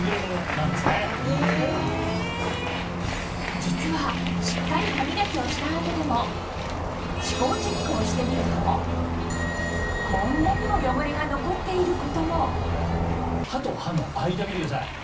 実はしっかり歯磨きをした後でも、歯垢チェックをしてみるとこんなにも汚れが残っていることも。